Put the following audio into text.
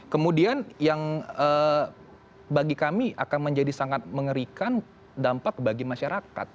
kemudian yang bagi kami akan menjadi sangat mengerikan dampak bagi masyarakat